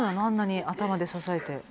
あんなに頭で支えて。